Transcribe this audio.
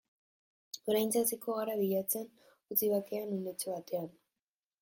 Oraintxe hasiko gara bilatzen, utzi bakean unetxo batean.